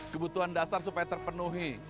kebutuhan dasar supaya terpenuhi